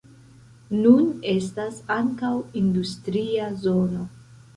Nun estas ankaŭ industria zono.